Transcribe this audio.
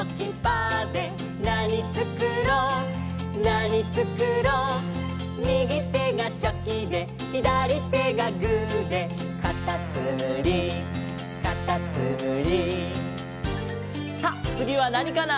「なにつくろうなにつくろう」「右手がチョキで左手がグーで」「かたつむりかたつむり」さあつぎはなにかな？